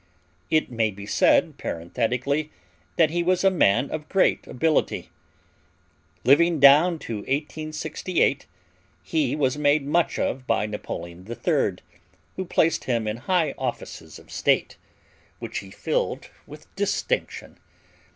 It may be said parenthetically that he was a man of great ability. Living down to 1868, he was made much of by Napoleon III., who placed him in high offices of state, which he filled with distinction.